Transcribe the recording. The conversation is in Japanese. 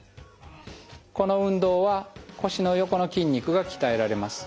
この運動は腰の横の筋肉が鍛えられます。